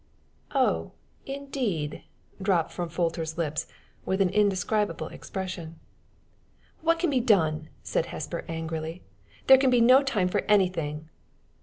"Oh, indeed!" dropped from Folter's lips with an indescribable expression. "What can be done?" said Hesper, angrily. "There can be no time for anything."